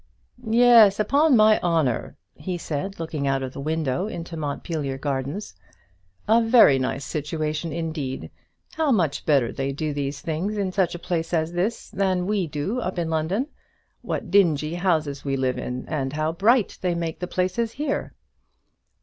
"Yes, upon my honour," he said, looking out of the window into the Montpelier Gardens, "a very nice situation indeed. How much better they do these things in such a place as this than we do up in London! What dingy houses we live in, and how bright they make the places here!"